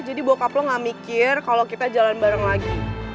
jadi bokap lo gak mikir kalau kita jalan bareng lagi